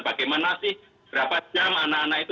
bagaimana sih berapa jam anak anak itu